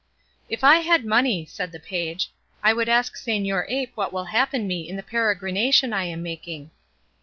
"If I had money," said the page, "I would ask señor ape what will happen to me in the peregrination I am making."